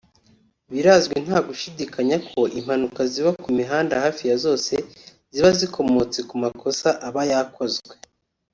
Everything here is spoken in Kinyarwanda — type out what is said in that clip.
Birazwi nta gushidikanya ko impanuka ziba ku mihanda hafi ya zose ziba zikomotse ku makosa aba yakozwe